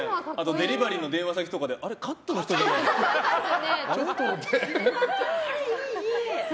デリバリーの電話先とかでカットの人じゃない？って。